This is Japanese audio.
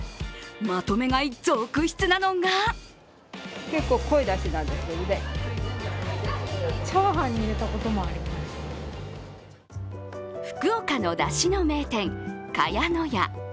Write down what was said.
まとめ買い続出なのが福岡のだしの名店、茅乃舎。